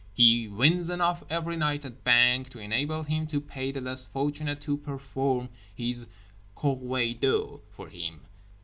He wins enough every night at banque to enable him to pay the less fortunate to perform his corvée d'eau for him.